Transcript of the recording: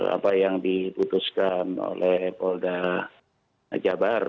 apa yang diputuskan oleh poldat jawa barat